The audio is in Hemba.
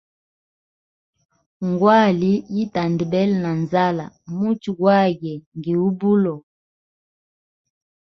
Ngwali yi tandabele na nzala, muchwe gwagwe ngi ubulo.